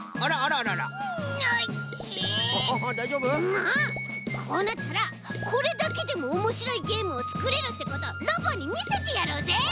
もうこうなったらこれだけでもおもしろいゲームをつくれるってことロボにみせてやろうぜ！